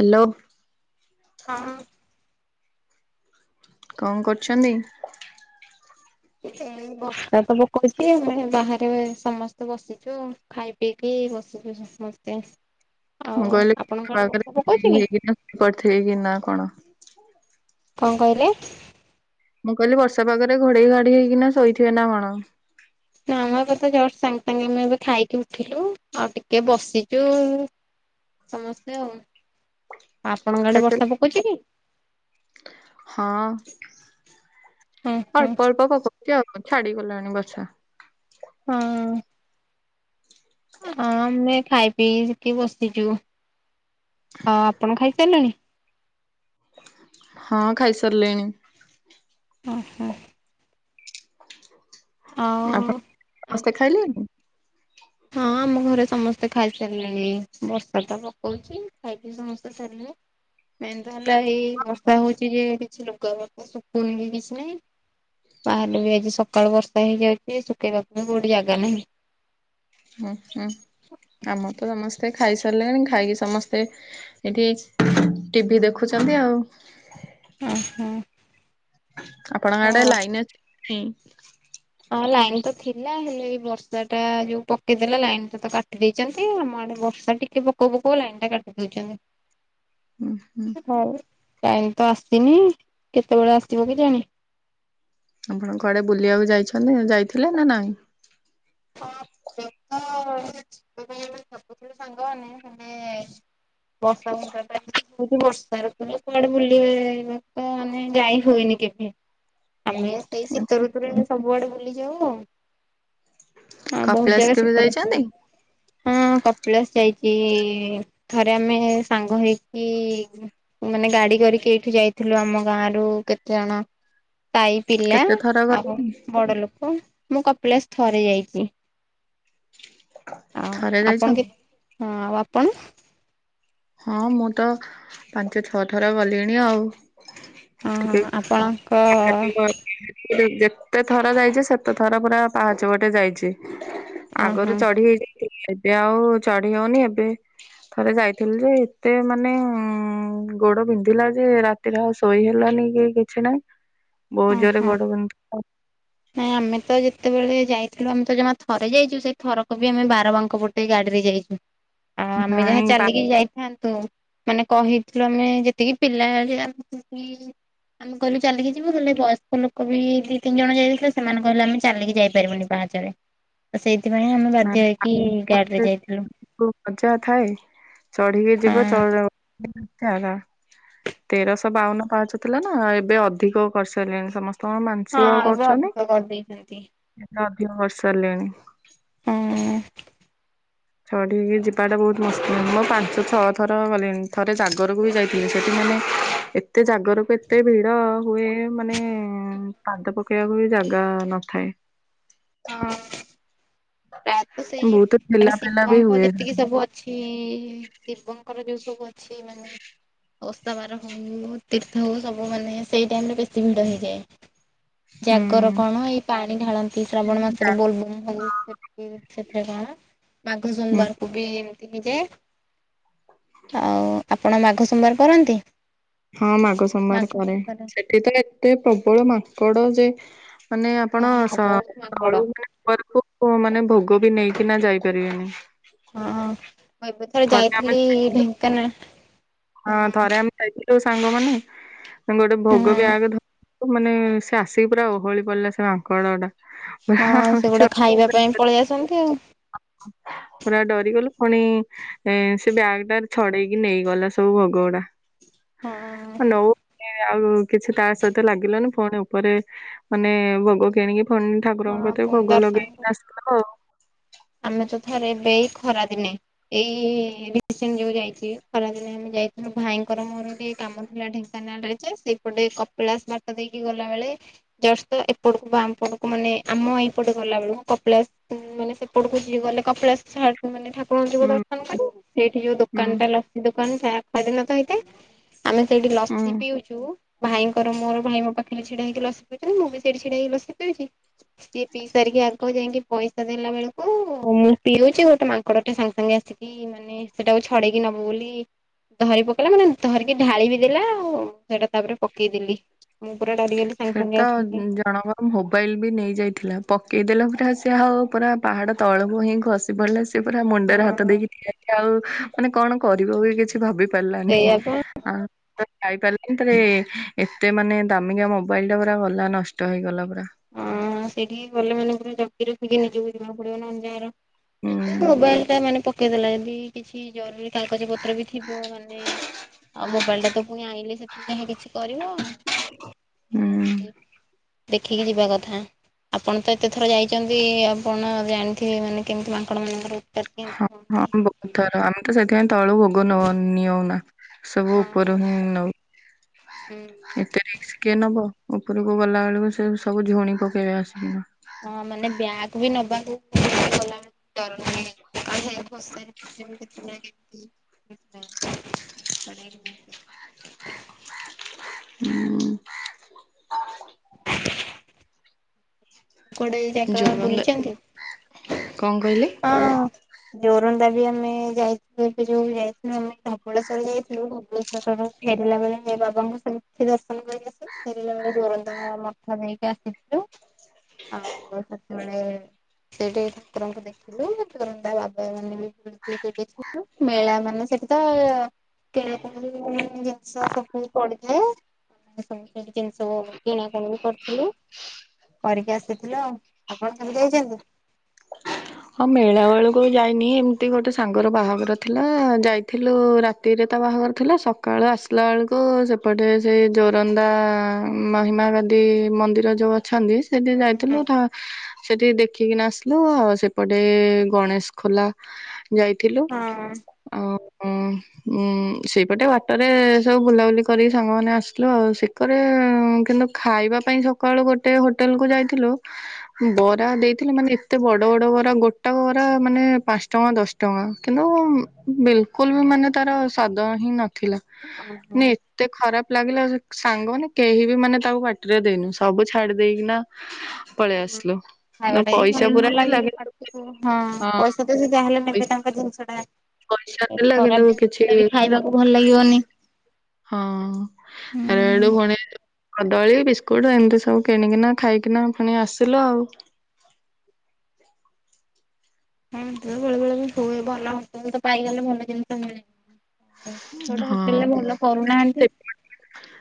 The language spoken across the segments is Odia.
ହାଲୋ। ହଁ। କଣ କରୁଛନ୍ତି? [inaudible] ବର୍ଷା ତ ପକଉଛି ଆମେ ବାହାରେ ସମସ୍ତେ ବସିଛୁ ଖାଇ ପିଇକି ବସିଛୁ। ସମସ୍ତେ ମୁଁ ଆଉ ଆପଣଙ୍କ କହିଲିକି ଆଡେ ବର୍ଷା ପକଉଛି କି? [unintelligible] କଣ କହିଲେ? ମୁଁ କହିଲି ବର୍ଷା ପାଗରେ ଘୋଡେଇ ଘାଡେଇ ହେଇକିନା ଶୋଇଥିବେ ନା କଣ। ନା ମୁଁ ଏବେ ତ ଜଷ୍ଟ୍ ସାଙ୍ଗେ ସାଙ୍ଗେ ଆମେ ଏବେ ଖାଇକି ଉଠିଲୁ ଆଉ ଟିକେ ବସିଚୁ। ସମସ୍ତେ ଆଉ, ଆପଣଙ୍କ ଆଡେ ଖାଇସାରି ବର୍ଷା ପକଉଚି କି? ହଁ ହଁ ହଁ ଅଳ୍ପ-ଅଳ୍ପ ପକଉ ଚକ୍, ଛାଡି ଗଲାଣି ବର୍ଷା। ହଁ। ହଁ ଆମେ ଖାଇ ପିଇିକି ସେଠି ବସିଚୁ, ଆଉ ଆପଣ ଖାଇ ସାରିଲେଣି? ହଁ ଖାଇସାରିଲେଣି। ଓହୋ। ଆ ଆପଣ ସମସ୍ତେ ଖାଇଲେଣି? ହଁ ଆମ ଘରେ ସମସ୍ତେ ଖାଇସାରିଲେଣି, ବର୍ଷା ତ ପକଉଛି ଖାଇକି ସମସ୍ତେ ସାରିଲେ ମେନ୍ ତ ହେଲା ଏଇ ବର୍ଷା ହଉଚି ଯେ କିଛି ଲୁଗାପଟା ଶୁକୁନି କି କିଛି ନାହିଁ। ବାହାରେ ବି ଆଜି ସକାଳୁ ବର୍ଷା ହେଇଯାଉଛି ଶୁଖେଇବା ପାଇଁ କୋଉଠି ଜାଗା ନାହିଁ। ହୁଁ-ହୁଁ ଆମର ତ ସମସ୍ତେ ଖାଇସାରିଲେଣି ଖାଇକି ସମସ୍ତେ ଏଠି ଟିଭିି ଦେଖୁଛନ୍ତି ଆଉ। ଓହୋ। ଆପଣଙ୍କ ଆଡେ ହଁ। ଲାଇନ ଅଛି? ହଁ ଲାଇନ୍ ତ ଥିଲା ହେଲେ ଏଇ ବର୍ଷା ଟା ଯୋଉ ପକେଇଦେଲା ଲାଇନ୍ ଟା ତ କାଟି ଦେଇଚନ୍ତି ଆମ ଆଡେ ବର୍ଷା ଟି କେ ପକୋଉ-ପକୋଉ ଲାଇନ୍ ଟା କାଟି ଦଉଚନ୍ତି। ହୁଁ ହୁଁ ହଉ ଲାଇନ୍ ତ ଆସିନି କେତେବେଳେ ଆସିବ କେଜାଣି। ଆପଣ କଆଡ଼େ ବୁଲିବାକୁ ଯାଇଛନ୍ତି ଯାଇଥିଲେ ନା ନାଇଁ? [inaudible] [unintelligible] ବର୍ଷା ବଷା ପାଇଁ ହଉଛି ବର୍ଷାରେ କୁଆଡେ ବୁଲେଇବା ତ ମାନେ ଯାଇ ହୁଏନି କେବେ। ଆମେ ସେଇ ଶୀତ ଆଛା ଋତୁରେ ସବୁଆଡେ ବୁଲିଯାଉ ଆଉ। ହଁ ବହୁତ କପିଳାସ ଜାଗା କେବେ ଶୀତ ଋତୁରେ। ଯାଇଛନ୍ତି? ହଁ କପିଳାସ ଯାଇଛି ଥରେ ଆମେ ସାଙ୍ଗ ହେଇକି। ମାନେ ଗାଡି କରିକି ଏଇଠି ଯାଇଥିଲୁ ଆମ ଗାଁ ରୁ କେତେଜଣ? ସାହି ପିଲା କେତେ ଥର ଆଉ ଗଲେଣି ବଡ ଲୋକ ମୁଁ କପିଳାସ ଥରେ ଯାଇଛି। ଆଉ ଥରେ ଆପଣ ଯାଇଛନ୍ତି? କେ ହଁ ଆଉ ଆପଣ ହଁ ମୁଁ ତ ପାଞ୍ଚ ଛଅ ଥର ଗଲିଣି ଆଉ। ହଁ ଠିକ। ଆପଣଙ୍କ [unintelligible] ଯେତେ ଥର ଯାଇଛି ସେତେ ଥର ପୁରା ପାହଚ ପଟେ ଯାଇଛି। ଓହୋ ଆଗରୁ ଚଢି ହେଇଯାଇଥିଲ ଏବେ ଆଉ ଚଢି ହଉନି ଏବେ ଥରେ ଯାଇ। ଥିଲି ଏତେ ମାନେ ଉଁ ଗୋଡ ବିନ୍ଧିଲା ଯେ ରାତିରେ ଆଉ ଶୋଇ ହେଲାନି କି କିଛି ନାହିଁ। [unintelligible] ବହୁତ ଜୋରେ ଗୋଡ଼ ବିନ୍ଧୁଥିବ ଆଉ ନାଇଁ ଆମେ ତ ଯେତେବେଳେ ଯାଇଥିଲୁ ଆମେ ତ ଜମା ଥରେ ଯାଇଛୁ, ସେଇ ଥରକ ବି ଆମେ ବାର ବାଙ୍କ ପଟେ ଗାଡିରେ ଯାଇଛୁ। ଆଉ ଆମେ ନାଇଁ ଯାହା ପା ଚାଲିକି ଯାଇଥାନ୍ତୁ ମାନେ କହିଥିଲୁ ଆମେ ଯେତିକି ପିଲା ଯିବେ ଆ ଆମେ କହିଲୁ ଚାଲିକି ଯିବୁ ହେଲେ ବୟସ୍କ ଲୋକ ବି ଦି ତିନି ଜଣ ଯାଇ ଥିଲେ ସେମାନେ କହିଲେ ଆମେ ଚାଲିକି ଯାଇପାରିବୁନି ପାହାଚରେ। ତ ସେଇଥିପାଇଁ ଆମେ ବାଧ୍ୟ ହେଇକି ଗାଡି ରେ ଯାଇଥିଲୁ। ଖୁବ ମଜା ଥାଏ ଚଢିକି ହଁ ଯିବା ଚ ତେରଶହ ବାଉନ ପାହାଞ୍ଚ ଥିଲା ନା ଏବେ ଅଧିକ କରିସାରିଲେଣି ସମସ୍ତେ କଣ ହଁ ମାନସିକ ଏବେ କରୁଛନ୍ତି। ଅଧିକ କରିଦେଇଛନ୍ତି ଏବେ ଅଧିକ କରି ସାରିଲେଣି। ହଁ ଚଢିକି ଯିବାଟା ବହୁତ ମସ୍ତ। ମୁଁ ପାଞ୍ଚ ଛଅ ଥର ଗଲିଣି ଥରେ ଜାଗରକୁ ବି ଯାଇଥିଲି। ସେଠି ମାନେ ଏ ଏତେ ଜାଗରକୁ ଏତେ ଭିଡ଼ ହୁଏ ମାନେ ପାଦ ପକେଇବାକୁ ବି ଜାଗା ନଥାଏ। ହଁ ପ୍ରାୟତଃ ସେଇ ବହୁତ ମାନେ ଠେଲା ପେଲା ବି ଶିବଙ୍କ ହୁଏ ଯେତିକି ସେଠି ସବୁ ଅ ଅଛି ଶିବଙ୍କର ଯୋଉ ସବୁ ଅଛି ମାନେ ଓଷା ବାର ହଉ ତୀର୍ଥ ହଉ ସବୁ ମାନେ ସେଇ ଟାଇମ ରେ ବେଶୀ ଭିଡ ହେଇଯାଏ। ଜାଗର ହୁଁ। କଣ ଏଇ ପାଣି ଢାଳନ୍ତି ଶ୍ରାବଣ ମାସରେ ବୋଲ ବୁମ ହଉ। ସେଥିରେ କଣ ମାଘ ହୁଁ ସୋମବାରକୁ ବି ଏମିତି ହେଇଯାଏ। ଆଉ ଆପଣ ମାଘ ସୋମବାର କରନ୍ତି? ହଁ ମାଘ ସୋମବାର କରେ, ସେଠିତ ଏତେ ପ୍ରବଳ ମାଙ୍କଡ ଯେ ମାନେ ଆପଣ ହଁ ସ ବହୁତ ମାଙ୍କଡ ତଳୁ ମାନେ ଉପର କୁ ମାନେ ଭୋଗ ବି ନେଇକିନା ଯାଇପାରିବେନି। ହଁ ମୁଁ ଏବେ ଥରେ ଯାଇଥିଲି ଢେଙ୍କାନାଳ। ହଁ ଥରେ ଆମେ ଯାଇଥିଲୁ ସାଙ୍ଗମାନେ ଗୋଟେ ଭୋଗ ହଁ ବ୍ୟାଗ ଧ ଥିଲୁ ମାନେ ସେ ଆସିକି ପୁରା ଓହଳି ପଡିଲା ସେ ମାଙ୍କଡ ଟା। ପୁରା ହଁ ସେଗୁଡା ଛୁଆ ଖାଇବା ପାଇଁ ପଳେଇ ଆସନ୍ତି ଆଉ। ପୁରା ଡରିଗଲୁ ପୁଣି ଏ ସେ ବ୍ୟାଗ ଟା ଛଡେଇକି ନେଇଗଲା ସେ। ଭୋଗଗୁଡା ହଁ ନଉ ସେଥିପାଇଁ ଆଉ କିଛି ତା ସହିତ ଲାଗିଲୁନି ପୁଣି ଉପରେ ମାନେ ଭୋଗ କିଣିକି ଫୁଣି ହଁ ଠାକୁରଙ୍କଠେ ପୁଣି ଭୋଗ ଦର୍ଶନ ଲଗେଇକି ଆସିଲୁ ଆଉ ଆମେ ତ ଥରେ ଏବେ ଏଇ ଖରାଦିନେ ଏଇ ରିସେଣ୍ଟ ଯୋଉ ଯାଇଛି, ଖରାଦିନେ ଆମେ ଯାଇଥିଲୁ ଭାଇଙ୍କର ମୋର ଟିକେ କାମ ଥିଲା ଢେଙ୍କାନାଳରେ ଯେ ସେପଟେ କପିଳାସ ବାଟ ଦେଇକି ଗଲାବେଳେ ଜଷ୍ଟ ଏପଟକୁ ବାମ ପଟକୁ ମାନେ ଆମ ଏଇପଟେ ଗଲା ବେଳକୁ କପିଳାସ ମାନେ ଏପଟକୁ ଯ ଗଲେ କପିଳାସ ମାନେ ଠାକୁରଙ୍କ ଯିବ ହୁଁ ଦର୍ଶନ ମାନ ସେଇଠି ଯୋଉ ହୁଁ ଦୋକାନଟା ଲ ଦୋକାନ ଖରାଦିନ ତ ହେଇଥାଏ ଆମେ ସେଇଠି ହୁଁ। ଲସି ପିଉଛୁ ଭାଇଙ୍କର ମୋର ଭାଇ ମୋ ପାଖରେ ଛିଡା ହେଇକି ଲସି ପଉଥିଲା ମୁଁ ବି ସେଇଠି ଛିଡା ହେଇକି ଲସି ପଉଛି ସିଏ ପିଇ ସାରିକି ଆଗ ଯାଇକି ପଇସା ଦେଲା ବେଳକୁ ମୁଁ ପିଉଚି ଗୋଟେ ମାଙ୍କଡ ଟେ ସାଙ୍ଗେ ସାଙ୍ଗେ ଆସିକି ମାନେ ସେଟାକୁ ଛଡେଇକି ନବ ବୋଲି ଧରି ପକେଇଲା, ମାନେ ଧରିକି ଢାଳି ବି ଦେଲା, ଆଉ ସେଇଟା ତାପରେ ପକେଇଦଲି। ମୁଁ ପୁରା ଡରିଗଲି ସାଙ୍ଗେ ସାଙ୍ଗେ ସେଟା ଆସିିକି ଜଣଙ୍କର ମୋବାଇଲ ବି ନେଇ ଯାଇଥିଲା ପକେଇଦେଲା ପୁରା ସିଏ ଆଉ ପୁରା ପାହାଡ ତଳକୁ ହିଁ ଖସି ପଡିଲା ସେ ପୁରା ମୁଣ୍ଡରେ ହାତ ଦେଇକି ଠିଆ [unintelligible] ଆଉ ମାନେ କଣ କରିବ ବି କିଛି ଭାବି ପାରିଲାନି। ସେଇଆପା ଆ ଯାଇପାରିଲାନି [unintelligible] ଏତେ ମାନେ ଦାମିକିଆ ମୋ ମୋବାଇଲ ଟା ପୁରା ଗଲା ନଷ୍ଟ ହେଇଗଲା ପୁରା। ହଁ ସେଇଠିକି ଗଲେ ମାନେ ପୁରା ଜଗି ରଖିକି ନିଜକୁ ଯିବାକୁ ପଡିବ ନନେଯାହାର ହୁଁ ମୋବାଇଲଟା ମାନେ ପକେଇଦେଲା ଯଦି କିଛି ଜରୁରୀ କାଗଜ ପତ୍ର ବି ଥିବ ମାନେ ଆଉ ମୋବାଇଲଟା ତ ପୁଣି ଆଇଁଲେ ସେଥିରୁ ଯାହା କିଛି କରିବ ହୁଁ ଖିକି ଯିବା କଥା। ଆପଣ ତ ଏତେ ଥର ଯାଇଛନ୍ତି ଆପଣ ଜାଣିଥିବେ ମାନେ କେମିତି ମାଙ୍କଡ଼ ମାନଙ୍କର ଉତ୍ପାତ କେମିତି ହଁ ହୁଅନ୍ତି। ହଁ ବହୁତ ଥର ଆମ ତ ସେଥିପାଇଁ ତଳୁ ଭୋଗ ନ ନିଅଉନା ସବୁ ଉପରୁ ହିଁ ନଉ। ହଁ ଏତେ ରିସ୍କ କିଏ ନବ ଉପରକୁ ଗଲା ବେଳକୁ ସେ ସବୁ ଝୁଣି ପକେଇବେ ଆସିକିନି। ହଁ ମାନେ ବ୍ୟାଗ୍ ବି ନବାକୁ [unintelligible] ଗଲାବେଳକୁ ଡର ଲାଗେ। [unintelligible] [unintelligible] ହୁଁ [unintelligible] କୁଆଡେ ଯାକ ଜୋରନ୍ଦା ବୁଲିଛନ୍ତି? କଣ କହିଲେ? ହଁ। ଜୋରନ୍ଦା ବି ଆମେ ଯାଇ [unintelligible] ଏବେ ଯୋଉ ଯାଇଥିଲୁ ଆମେ ଧବଳେଶ୍ୱର ଯାଇଥିଲୁ ଧବଳେଶ୍ୱରର ଫେରିଲା ବେଳେ ବାବାଙ୍କୁ [unintelligible] ଦର୍ଶନ କରିକି ଆସୁ। ଫେରିଲା ବେଳେ ଜୋରନ୍ଦା ମଠ ନେଇକି ଆସିଥିଲୁ। ଆଉ ସେତେବେଳେ ସେଇଠି ଠାକୁରଙ୍କୁ ଦେଖ ଥିଲୁ ଯୋରନ୍ଦା ବାବାମାନେ ବି [unintelligible] ସେଠି ଥିଲୁ ମେଳା ମାନେ ସେଠି ତ କେଣ [unintelligible] ଜିନିଷ ସବୁ ପଡ଼ି ଥାଏ। [unintelligible] ସବୁସେଠୁ ଜିନିଷ କିଣାକୁଣି ବି କରିଥିଲୁ। କରିକି ଆସିଥିଲ ଆପଣ କେବେ ଯାଇଛନ୍ତି? ହଁ ମେଳା ବେଳକୁ ବି ଯାଇନି ଏମତି ଗୋଟେ ସାଙ୍ଗର ବାହାଘର ଥିଲା ଯାଇଥିଲୁ ରା ରାତିରେ ତା ବାହାଘର ଥିଲା ସକାଳ ଆସିଲାଆଳକୁ ସେପଟେ ସେଇ ଜୋରନ୍ଦା ମହିମା ଗା ଗାଦି ମନ୍ଦିର ଯୋଉ ଅଛନ୍ତି ସେଠି ଯାଇଥିଲୁ ଥ ସେଠି ଦେଖିକିନା ଆସିଲୁ ଆଉ ସେ ପଟେ ଗଣେଶ ଖୋଲା ଯାଇଥିଲୁ। ହ ହୁଁ। ଉଁ ସେଇପଟେ ବାଟରେ ସବୁ ବୁଲାବୁଲି କରି ସାଙ୍ଗମାନେ ଆସିଲୁ ଆଉ ସେକରେ କିନ୍ତୁ ଖାଇବା ପାଇଁ ସକାଳୁ ଗୋଟେ ହୋଟେଲକୁ ଯାଇଥିଲୁ ବରା ଦେଇଥିଲେ ମାନେ ଏତେ ବଡ ବଡ ବରା ପୁରା ଗୋଟା ବରା ମାନେ ପାଞ୍ଚ ଟଙ୍କା ଦଶ ଟଙ୍କା କିନ୍ତୁ ବିଲକୁଲ ବି ମାନେ ତାର ସାଦ ହିଁ ନଥିଲା ମା ଏ ଏତେ ଖରାପ ଲାଗିଲା ସାଙ୍ଗମାନେ କେହି ବି ମାନେ ତାକୁ ପାଟିରେ ଦେଇନୁ ସବୁ ଛାଡି ଦେଇକିନା ପଳେଇ ଆସଲୁ ନା ଖାଇବାଟା ବି ଭଲ ପଇସା ପୁରା ନ [unintelligible] [unintelligible] ହଁ ପଇସା ତ ସେ ଯାହାହେଲେ ନେବେ ପଇସା ତାଙ୍କ ଜିନିଷ ଟା ପଇସା ଏ ଦେଲା ଖରାପ କିନ୍ତୁ କିଛି ଜିନିଷଟା ବି ଖାଇବାକୁ ଭଲ ଲାଗିବନି। ହଁ ଥରେ ହୁଁ। ହେଟୁ କଣ ହେ କଦଳୀ ବିସ୍କୁଟ ଏମତି ସବୁ କିଣିକିନା ଖାଇକିନା ଫୁଣି ଆସିଲୁ ଆଉ। ହଁ ତ ବେଳେବେଳେ ବି ହୁଏ ଭଲ ହୋଟେଲ ତ ପାଇଗଲେ ଭଲ ଜିନିଷ ମିଳେନି। ଗୋଟେ ହଁ। ହୋଟେଲରେ ଭଲ କରୁନାହାନ୍ତି।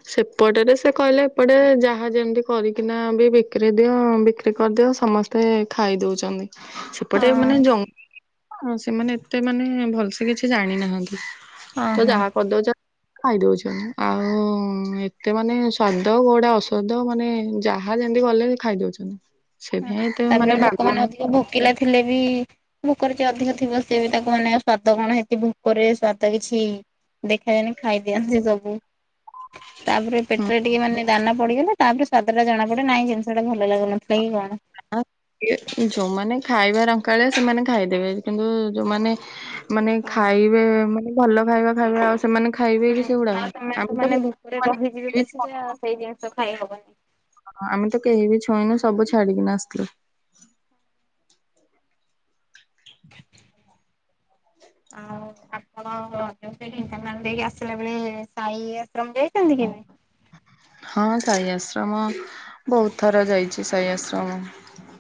ସେପଟରେ ସେ କହିଲେ ଏପଟେ ଯାହା ଯେମିତି କରିକିନା ବି ବିକ୍ରି ଦିଅ ବିକ୍ରି କରିଦିଅ ସମସ୍ତେ ସ୍ତେ ଖାଇଦଉଛନ୍ତି। ସେପଟେ ହଁ। ମାନେ ଜ ସେମାନେ ଏତେ ମାନେ ଭଲସେ କିଛି ଜାଣିନାହାନ୍ତି। ହଁ ତ ହଁ। ଯାହା କରିଦଉଛ ଖାଇଦଉଛନ୍ତି ଆଉ ଏତେ ମାନେ ସ୍ଵାଦ କୋଡା ଅସ୍ୱାଦ ମାନେ ଯାହା ଯାହା ଯେମିତି ଗଲେ ଖାଇଦଉଛନ୍ତି ସେଥିପାଇଁ ଏତେ ମାନେ ବାଗୁନା ପିଲା ଥିଲେ ବି ଭୋକରେ ଯେ ଅଧିକ ଥିବ ସିଏ ବି ତାକୁ ମାନେ ସ୍ଵାଦ କଣ ହେଇଛି ଭୋକରେ ସ୍ଵାଦ କିଛି ଦେଖାଯାଏନି ଖାଇଦିଅନ୍ତି ସବୁ। ତାପରେ ପେଟରେ ଟିକେ ମାନେ ଦାନା ପଡିଗଲେ ତାପରେ ସ୍ଵାଦଟା ଜଣା ପଡେ ନାଇଁ ଜିନିଷଟା ଭଲ ଲାଗୁନ [unintelligible] କଣ [unintelligible] ଯୋଉମାନେ ଖାଇବା ରଙ୍କାଳିଆ ସେମାନେ ଖାଇଦେବେ କିନ୍ତୁ ଯୋଉମାନେ ମାନେ ହଁ। ଖାଇବେ ମାନେ ଭଲ ଖାଇବା ଖାଇବା ଆ ସେମାନେ ଖାଇବେ କି ଆଉ ସେଗୁଡାକ। ସେମାନେ ଆମେ ତ ମାନେ [unintelligible] ତ ଖାଇହବନି ହ ଆମେ ତ କେହିବି ଛୁଇଁନୁ ସବୁ ଛାଡିକିନା ଆସିଥିଲୁ। ଆଉ ଆପଣ ଓହ ଯଉ ସେଇଠି ଢେଙ୍କାନଳ ଦେଇକି ଆସିଲା ବେଳେ ସାଇ ଆଶ୍ରମ ଯାଇଛନ୍ତି କେବେ? ହଁ ସାଇ ଆଶ୍ରମ ବହୁତ ଥର ଯାଇଛି ସାଇ ଆଶ୍ରମ।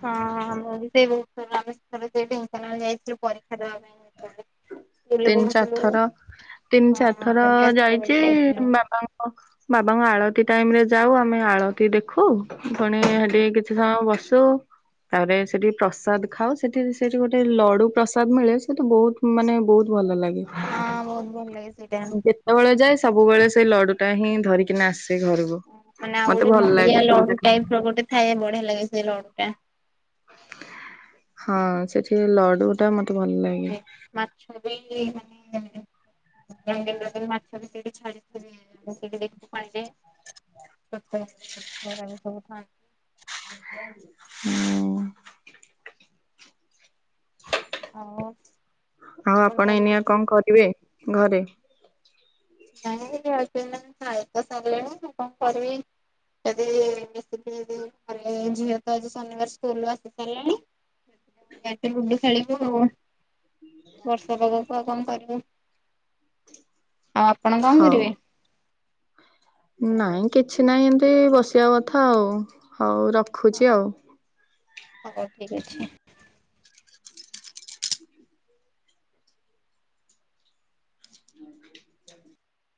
ହଁ ହଁ ହଁ ମୁଁ ବି ସେ ବହୁତ ଥର ଆମେ ଥରେ ସେ ଢେଙ୍କାନାଳ ଯାଇଥିଲୁ ପରୀକ୍ଷା ଦେବା ପାଇଁ ତେବେଳେ ତିନି ଚାରି ଥର, ତିନି ଚାରି ଥର ଆମେ ବି ଆସିଲା ବେଳେ ଯାଇଛି ଯାଇଥିଲୁ। ବାପା ବାବାଙ୍କ ଆଳତି ଟାଇମରେ ଯାଉ ଆମେ ଆଳତି ଦେଖୁ। ପୁଣି ହେଠି କିଛି ସମୟ ବସୁ। ତାପରେ ସେଠି ପ୍ରସାଦ ଖାଉ ସେଠି ସେଠି ଗୋଟେ ଲଡୁ ପ୍ରସାଦ ମିଳେ ସେଠୁ ବହୁତ ମାନେ ବହୁତ ଭଲ ଲାଗେ। ହଁ ବହୁତ ଭଲ ଲାଗେ ସେଇଟା ଯେତେବେଳେ ଯାଏ ସବୁବେଳେ ସେଇ ଲଡୁଟା ହିଁ ଧରିକିନା ଆସେ ଘରକୁ। ମାନେ ଆଉ ମତେ ଗୋଟେ ଭଲ ଲାଗେ ନଡିଆ ସେଟା ଲଡୁ ଖାଇବା ଟାଇପର ଗୋଟେ ଥାଏ ବଢିଆ ଲାଗେ ସେ ଲଡୁଟା ହଁ ସେଠି ଲଡୁଟା ମତେ ଭଲ ଲାଗେ। ଛବି ମାନେ [unintelligible] ମାଛବି ସେଢି ଛାଡ଼ [unintelligible] ଦେଖୁ ପାଣିରେ [unintelligible] ଆମ ସବୁ ଥା ହୁଁ ଆଉ ଆଉ ଆପଣ ତାହେଲେ ଏଇନିଆ କଣ ଦେଖିଲେ କରିବେ, ଘରେ? ନାଇଁ [unintelligible] ଖାଇଖୁଆ ସରିଲେଣି ସେ କଣ କରିବି। ଯଦି [unintelligible] ଝିଅ ତ ଆଜି ଶନିବାର ସ୍କୁଲରୁ ଆସି ସାରିଲାଣି। ଲୁଡ଼ୁ ଖେଳିବୁ ଆଉ ବର୍ଷା ପାଗକୁ ଆଉ କଣ କରିବୁ। ଆଉ ଆପଣ କଣ ହଉ କରିବେ? ନାଇଁ କିଛିନାହିଁ ଏମିତି ବସିବା କଥା ଆଉ। ହଉ ହଁ ରଖୁଛି ଆଉ। ହଉ ଠିକ ଅଛି